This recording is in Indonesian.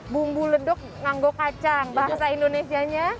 bumbu ledok nganggo kacang bahasa indonesia nya